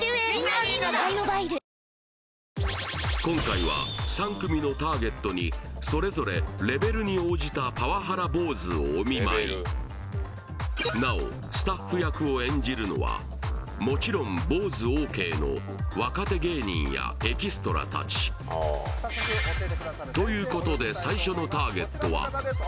今回は３組のターゲットにそれぞれレベルに応じたパワハラボウズをお見舞いなおスタッフ役を演じるのはもちろんボウズＯＫの若手芸人やエキストラ達ということで最初のターゲットはこちらの方です